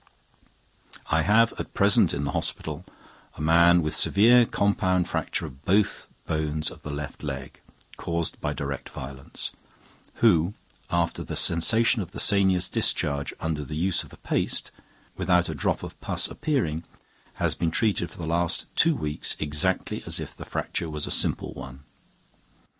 I have at present in the hospital a man with severe compound fracture of both bones of the left leg, caused by direct violence, who, after the cessation of the sanibus discharge under the use of the paste, without a drop of pus appearing, has been treated for the last two weeks exactly as if the fracture was a simple one.